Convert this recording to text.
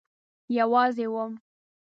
یوازی وم